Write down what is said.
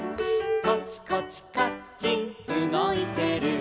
「コチコチカッチンうごいてる」